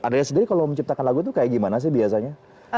andrea sendiri kalau menciptakan lagu tuh kayak gimana sih biasanya